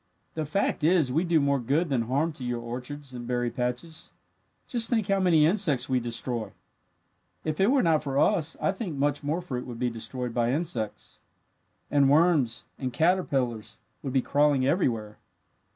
The fact is, we do more good than harm to your orchards and berry patches. Just think how many insects we destroy! If it were not for us I think much more fruit would be destroyed by insects. And worms and caterpillars would be crawling everywhere.